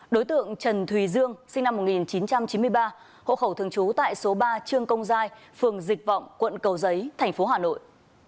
đối tượng trần thùy dương sinh năm một nghìn chín trăm chín mươi ba hộ khẩu thường trú tại số ba trương công giai phường dịch vọng quận cầu giấy thành phố hà nội